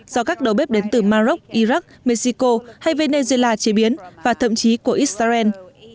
do các đầu bếp đến từ maroc iraq mexico hay venezuela chế biến và thậm chí của israel